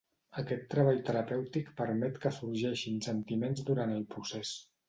Aquest treball terapèutic permet que sorgeixin sentiments durant el procés.